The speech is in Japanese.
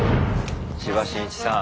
千葉真一さん。